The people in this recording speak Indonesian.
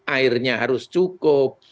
airnya harus cukup